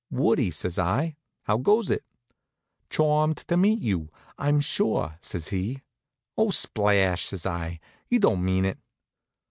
"Woodie," says I, "how goes it?" "Chawmed to meet you, I'm suah," says he. "Oh, splash!" says I. "You don't mean it?"